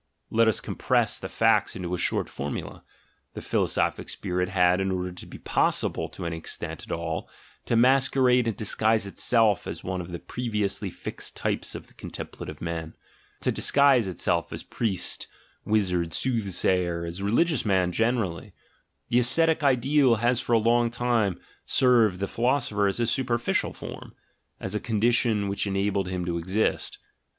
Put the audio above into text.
... Let us compress the facts into a short formula. The philosophic spirit had, in order to be possible to any extent at all, to masquerade and disguise itself as one of the previously fixed types of the contemplative man, to disguise itself as priest, wizard, soothsayer, as a religious man generally: the ascetic ideal has for a long time served the philoso pher as a superficial form, as a condition which enabled him to exist.